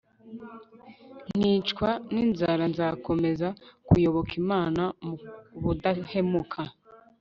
nkicwa n inzara nzakomeza kuyoboka Imana mu budahemuka